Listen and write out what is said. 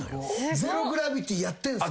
『ゼロ・グラビティ』やってんすか？